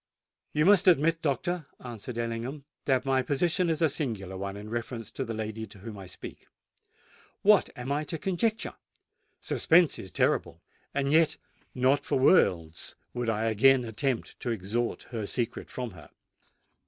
"You must admit, doctor," answered Ellingham, "that my position is a singular one in reference to the lady of whom I speak. What am I to conjecture? Suspense is terrible; and yet, not for worlds would I again attempt to extort her secret from her."